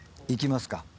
いきますか。